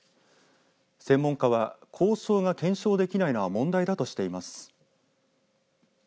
専門家は交渉が検証できないのは問題だとしています。